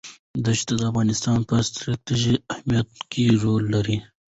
دښتې د افغانستان په ستراتیژیک اهمیت کې رول لري.